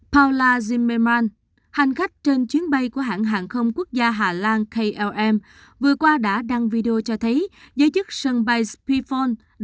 paula zimmermann hành khách trên chuyến bay của hãng hàng không quốc gia hà lan klm vừa qua đã đăng video cho thấy giới chức sân bay spifford